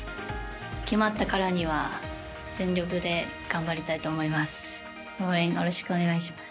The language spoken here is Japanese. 決まったからには全力で頑張りたいと思います。